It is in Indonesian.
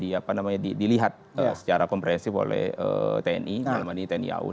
di apa namanya dilihat secara komprehensif oleh tni tni au